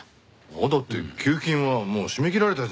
まだって給付金はもう締め切られたんじゃないですか？